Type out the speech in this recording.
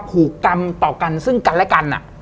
ผูกกรรมต่อกันซึ่งกันและกัน